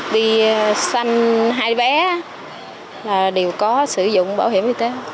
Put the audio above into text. đi sanh hai bé là đều có sử dụng bảo hiểm y tế